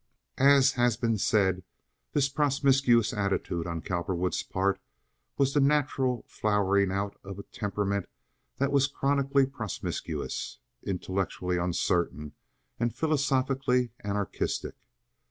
As has been said, this promiscuous attitude on Cowperwood's part was the natural flowering out of a temperament that was chronically promiscuous, intellectually uncertain, and philosophically anarchistic.